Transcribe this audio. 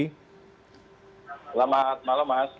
selamat malam mas